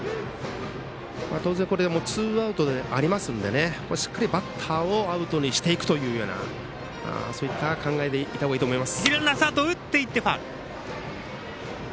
当然、ツーアウトなのでしっかりバッターをアウトにしていくというようなそういった考えでいた方がいいと思います。